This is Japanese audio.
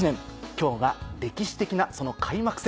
今日が歴史的なその開幕戦。